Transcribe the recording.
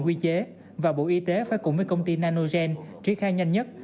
quy chế và bộ y tế phải cùng với công ty nanogen triển khai nhanh nhất